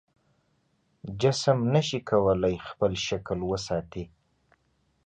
جسم نشي کولی خپل شکل وساتي.